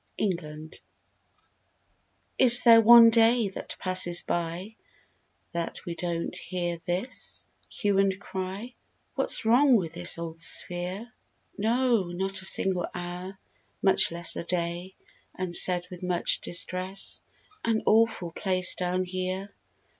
JEALOUSY Is there one day that passes by That we don't hear this hue and cry: "What's wrong with this old sphere?" No! Not a single hour much less A day. And, said with much distress: "An awful place down here!"